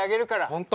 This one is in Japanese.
本当？